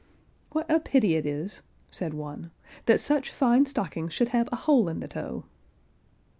"What a pity it is," said one, "that such fine stockings should have a hole in the toe!"